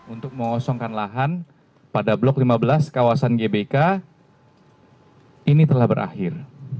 untuk mengosongkan lahan pada blok lima belas kawasan gbk ini telah berakhir